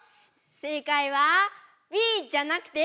正解はＢじゃなくてＤ！